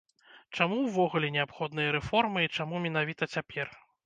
Чаму ўвогуле неабходныя рэформы і чаму менавіта цяпер?